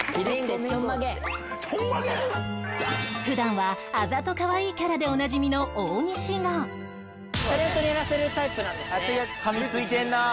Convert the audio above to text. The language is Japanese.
普段はあざとかわいいキャラでおなじみの大西が噛みついてんなあ